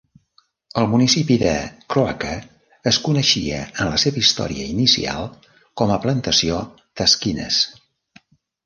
El municipi de Croaker es coneixia en la seva història inicial com a Plantació Taskinas.